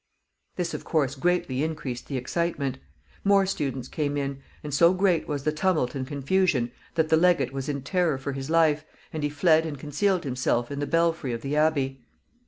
This, of course, greatly increased the excitement. More students came in, and so great was the tumult and confusion that the legate was in terror for his life, and he fled and concealed himself in the belfry of the abbey.